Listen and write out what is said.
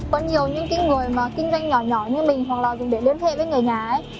có nhiều những cái người mà kinh doanh nhỏ nhỏ như mình hoặc là để liên hệ với người nhà ấy